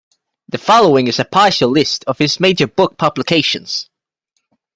The following is a partial list of his major book publications.